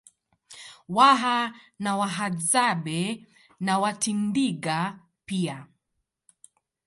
Waha na Wahadzabe na Watindiga pia